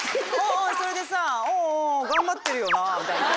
「おおそれでさお頑張ってるよな」みたいな。